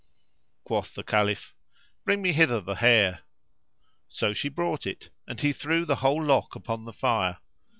Quoth the Caliph, "Bring me hither the hair." So she brought it and he threw the whole lock upon the fire.